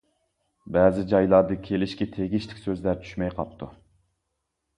بەزى جايلاردا كېلىشكە تېگىشلىك سۆزلەر چۈشمەي قاپتۇ.